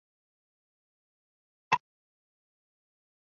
首先是航图的流通和完整性。